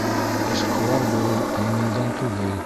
— Эшҡыуар булыу еңелдән түгел.